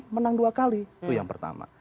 menang dua kali itu yang pertama